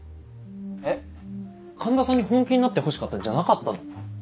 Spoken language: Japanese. えっ環田さんに本気になってほしかったんじゃなかったの？